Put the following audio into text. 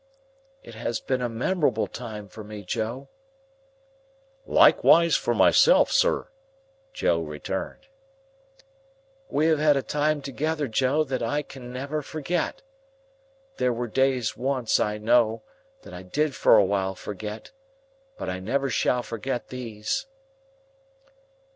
"It has been a memorable time for me, Joe." "Likeways for myself, sir," Joe returned. "We have had a time together, Joe, that I can never forget. There were days once, I know, that I did for a while forget; but I never shall forget these."